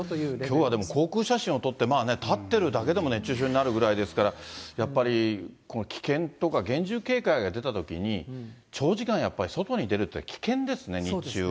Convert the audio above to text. きょうは航空写真を撮って立ってるだけでも熱中症になるぐらいですから、やっぱり危険とか厳重警戒が出たときに、長時間やっぱり外に出るっていうのは危険ですね、日中は。